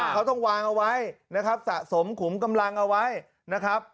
เขาต้องวางเอาไว้นะครับสะสมขุมกำลังเอาไว้นะครับ